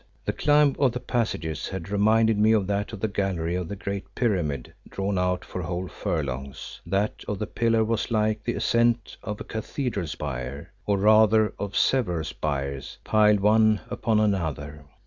The climb of the passages had reminded me of that of the gallery of the Great Pyramid drawn out for whole furlongs; that of the pillar was like the ascent of a cathedral spire, or rather of several spires piled one upon another.